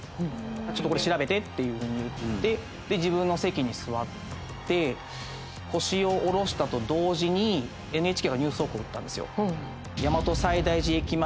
ちょっとこれ調べてっていうふうに言ってで自分の席に座って腰を下ろしたと同時にＮＨＫがニュース速報打ったんですよ。